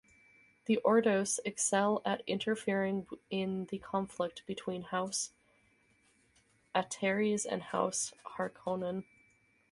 The Ordos excel at interfering in the conflict between House Atreides and House Harkonnen.